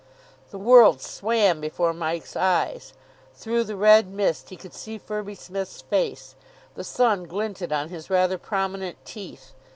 The world swam before Mike's eyes. Through the red mist he could see Firby Smith's face. The sun glinted on his rather prominent teeth.